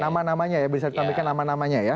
nama namanya ya bisa ditampilkan nama namanya ya